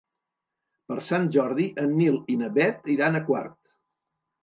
Per Sant Jordi en Nil i na Bet iran a Quart.